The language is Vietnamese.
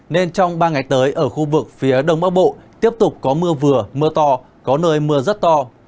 nên trong ba ngày tới ở khu vực phía đông bắc bộ tiếp tục có mưa vừa mưa to có nơi mưa rất to